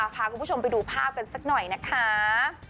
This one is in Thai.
พาคุณผู้ชมไปดูภาพกันสักหน่อยนะคะ